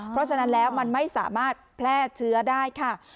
เพราะฉะนั้นแล้วมันไม่สามารถแพร่เชื้อได้ค่ะ